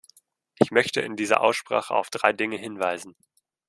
Ich möchte in dieser Aussprache auf drei Dinge hinweisen.